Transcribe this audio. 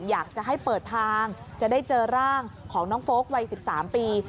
อยากจะให้เปิดทางจะได้เจอร่างของน้องโฟลกวัย๑๓ปี